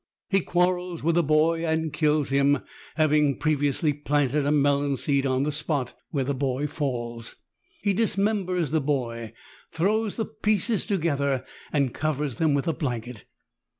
He quarrels with the boy and kills him, having pre viously planted a melon seed on the spot where JUGGLERS OF THE ORIENT. 101 the boy falls. He dismembers the boy, throws the pieces together and covers them with a blanket.